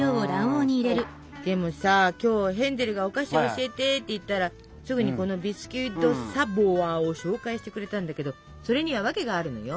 でもさ今日ヘンゼルがお菓子教えてって言ったらすぐにこのビスキュイ・ド・サヴォワを紹介してくれたんだけどそれにはワケがあるのよ。